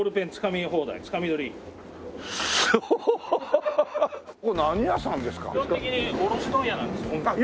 基本的に卸問屋なんですよ。